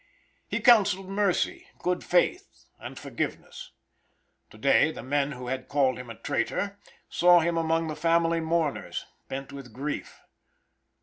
He counselled mercy, good faith, and forgiveness. To day, the men who had called him a traitor, saw him among the family mourners, bent with grief.